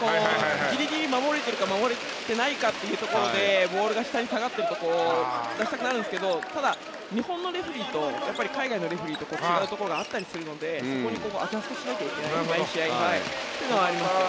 ギリギリ守れているかどうかというところでボールが下に下がっていると出したくなるんですけどただ、日本のレフェリーと海外のレフェリーと違うところがあったりするのでそこにアジャストしなきゃいけないところもあったりしますね。